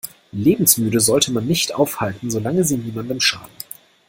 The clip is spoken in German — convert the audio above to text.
Lebensmüde sollte man nicht aufhalten, solange sie niemandem schaden.